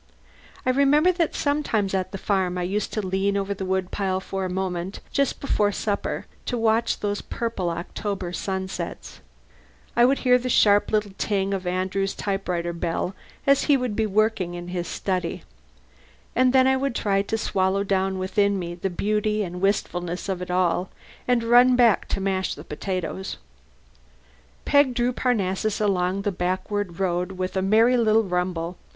I remember that sometimes at the farm I used to lean over the wood pile for a moment just before supper to watch those purple October sunsets. I would hear the sharp ting of Andrew's little typewriter bell as he was working in his study. And then I would try to swallow down within me the beauty and wistfulness of it all, and run back to mash the potatoes. Peg drew Parnassus along the backward road with a merry little rumble.